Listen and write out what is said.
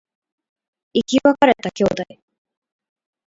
生き別れた兄弟